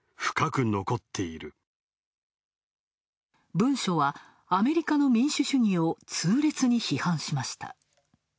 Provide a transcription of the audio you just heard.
文書はアメリカの民主主義を痛烈に批判しました。